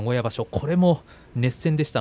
これも熱戦でした。